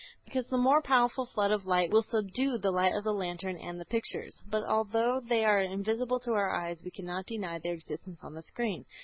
Because the more powerful flood of light will subdue the light of the lantern and the pictures. But although they are invisible to our eyes we cannot deny their existence on the screen.